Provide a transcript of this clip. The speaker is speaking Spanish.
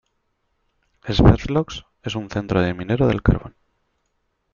Sverdlovsk es un centro de minero del carbón.